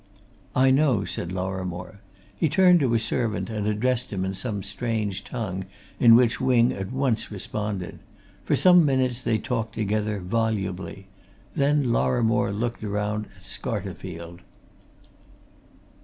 "I know," said Lorrimore. He turned to his servant and addressed him in some strange tongue in which Wing at once responded: for some minutes they talked together, volubly: then Lorrimore looked round at Scarterfield.